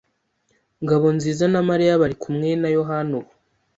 Ngabonziza na Mariya bari kumwe na Yohana ubu.